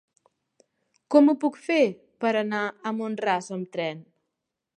Com ho puc fer per anar a Mont-ras amb tren?